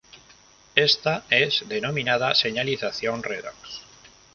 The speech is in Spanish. Esta es denominada señalización redox.